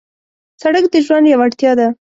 سړک د ژوند یو اړتیا ده.